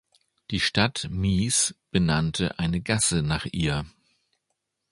Die Stadt Mies benannte eine Gasse nach ihr.